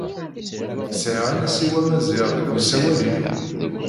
Sɛiɣ anasiw amaziɣ deg usawal-inu.